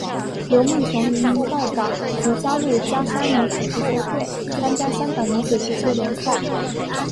刘梦琼移民到港即加入加山女子足球队参加香港女子足球联赛。